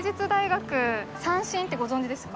三線ってご存じですか？